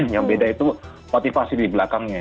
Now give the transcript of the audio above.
yang beda itu motivasi di belakangnya